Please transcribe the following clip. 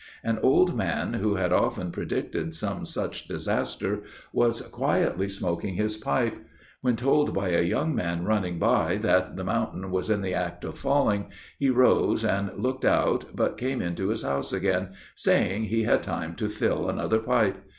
An old man, who had often predicted some such disaster, was quietly smoking his pipe; when told by a young man running by, that the mountain was in the act of falling, he rose and looked out, but came into his house again, saying he had time to fill another pipe.